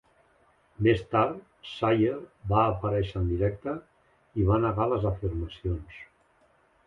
Més tard, Sayer va aparèixer en directe i va negar les afirmacions.